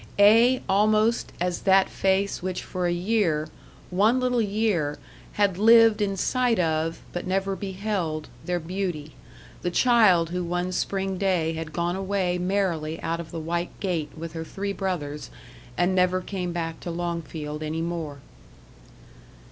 Ay, almost as that face which for a year one little year, had lived in sight of, but never beheld, their beauty; the child who one spring day had gone away merrily out of the white gate with her three brothers, and never came back to Longfield any more.